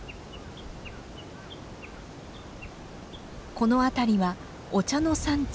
この辺りはお茶の産地